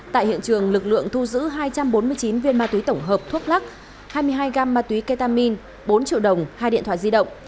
tại hiện trường lực lượng thu giữ hai trăm bốn mươi chín viên ma túy tổng hợp thuốc lắc hai mươi hai gam ma túy ketamin bốn triệu đồng hai điện thoại di động